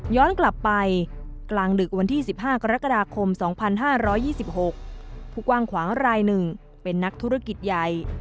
กลับไปกลางดึกวันที่๑๕กรกฎาคม๒๕๒๖ผู้กว้างขวางรายหนึ่งเป็นนักธุรกิจใหญ่